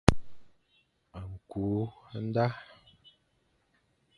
Ñkü nda.